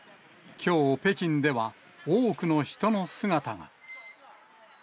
きょう、北京では多くの人の姿が。